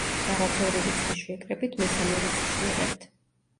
რაღაც ორი რიცხვის შეკრებით მესამე რიცხვს ვიღებთ.